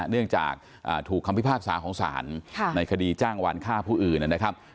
เนื่องจากถูกคำพิพากษาของศาลในคดีจ้างวานฆ่าผู้อื่นนะครับ